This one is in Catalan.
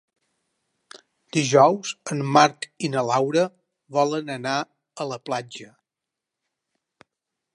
Dijous en Marc i na Laura volen anar a la platja.